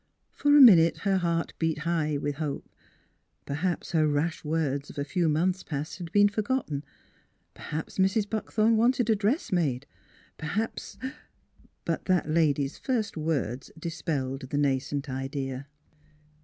For a minute her heart beat high with hope: perhaps her rash words of a few months past had been forgotten; perhaps Mrs. Buckthorn wanted a dress made; perhaps But that lady's first words dispelled the nascent idea.